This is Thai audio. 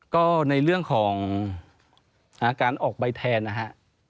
ก็ในเรื่องของการออกใบแทนนะฮะ